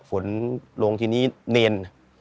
ฝนลงทีนี้เนร